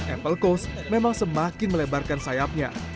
apple coast memang semakin melebarkan sayapnya